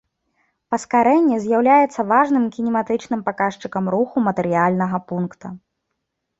Паскарэнне з'яўляецца важным кінематычным паказчыкам руху матэрыяльнага пункта.